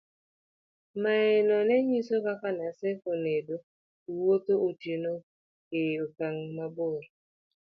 mae no niyiso kaka Naseko nedo wuotho otieno e okang' mabor